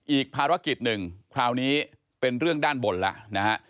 อีกภารกิจหนึ่งคราวนี้เป็นเรื่องด้านบนแล้วนะฮะ